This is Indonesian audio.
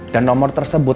dan nomor tersebut